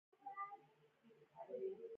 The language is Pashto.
هلته د لټانو فسیل شاوخوا پنځه زره کاله پخوانی دی.